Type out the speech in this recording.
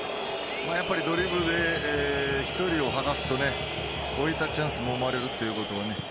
ドリブルで１人を剥がすとこういうチャンスも生まれるということで。